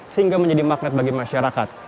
sehingga menjadi magnet bagi masyarakat